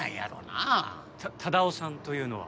た忠男さんというのは？